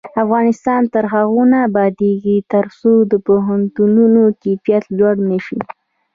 افغانستان تر هغو نه ابادیږي، ترڅو د پوهنتونونو کیفیت لوړ نشي.